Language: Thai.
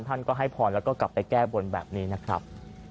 ท่านก็ให้พรแล้วก็กลับไปแก้บนแบบนี้นะครับ